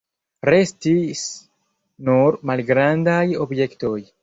Restis nur malgrandaj objektoj.